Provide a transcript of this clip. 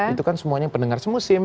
itu kan semuanya pendengar semusim